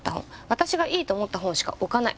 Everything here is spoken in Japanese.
私がいいと思った本しか置かない。